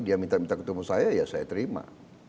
dia minta minta ketemu saya ya saya terima